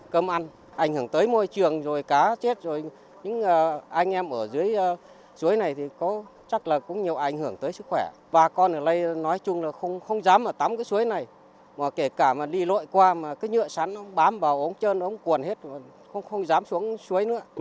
không dám vào ống chân ống cuồn hết rồi không dám xuống suối nữa